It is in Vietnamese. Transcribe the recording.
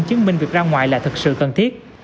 chứng minh việc ra ngoài là thực sự cần thiết